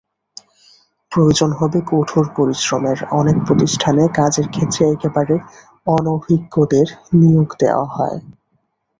প্রয়োজন হবে কঠোর পরিশ্রমেরঅনেক প্রতিষ্ঠানে কাজের ক্ষেত্রে একেবারে অনভিজ্ঞদের নিয়োগ দেওয়া হয়।